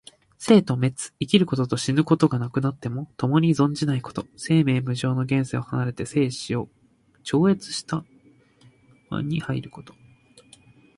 生と滅、生きることと死ぬことがなくなって、ともに存しないこと。生滅無常の現世を離れて生死を超越した涅槃に入ること。